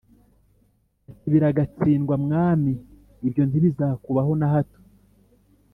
ati “Biragatsindwa Mwami, ibyo ntibizakubaho na hato.